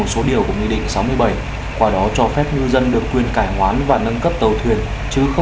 sau quá trình triển khai nghị định sáu mươi bảy